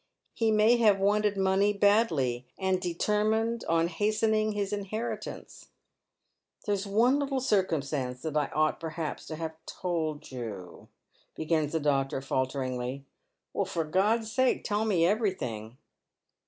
He may have wanted money badly, and determined on hastening his inheritance." " There is one little circumstance that I ought, perhaps, to have told you," begins the doctor, falteringly. "For God's sake tell me everything."